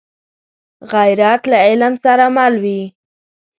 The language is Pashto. غیرت له علم سره مل وي